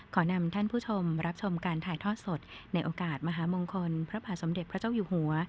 ขอนำท่านผู้ชมรับชมการถ่ายทอดสดในโอกาสมหามงคลพระบาทสมเด็จพระเจ้าอยู่หัว